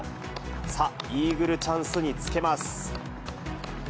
さあ、イーグルチャンスにつけます。